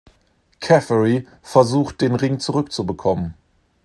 Caffery versucht, den Ring zurückzubekommen.